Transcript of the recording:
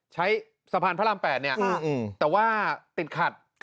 ใช้สะพานพระราม๘แต่ว่าติดขัด